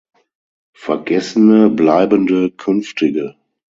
Vergessene, Bleibende, Künftige.